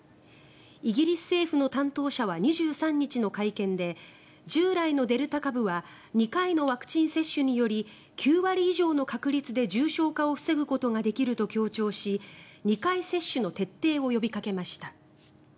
イギリス政府の担当者は２３日の会見で従来のデルタ株は２回のワクチン接種により９割以上の確率で重症化を防ぐことができると強調し２回接種の徹底を呼びかけました。